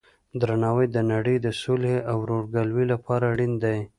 درناوی د نړۍ د صلحې او ورورګلوۍ لپاره اړین دی.